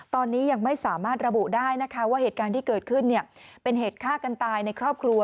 ตอนนี้ยังไม่สามารถระบุได้นะคะว่าเหตุการณ์ที่เกิดขึ้นเป็นเหตุฆ่ากันตายในครอบครัว